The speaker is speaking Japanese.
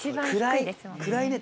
暗いね